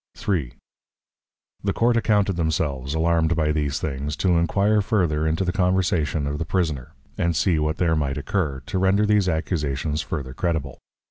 _ III. The Court accounted themselves, alarum'd by these Things, to enquire further into the Conversation of the Prisoner; and see what there might occur, to render these Accusations further credible.